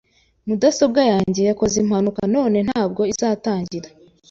Mudasobwa yanjye yakoze impanuka none ntabwo izatangira.